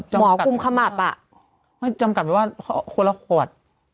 หมอกุมขมับอ่ะไม่จำกัดไปว่าคนละขวด